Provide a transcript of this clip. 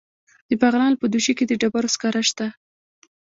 د بغلان په دوشي کې د ډبرو سکاره شته.